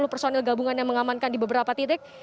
sepuluh personil gabungan yang mengamankan di beberapa titik